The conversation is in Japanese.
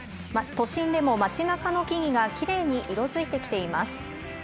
都心でも街中の木々がキレイに色づいてきています。